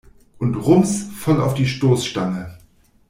Und rums, voll auf die Stoßstange!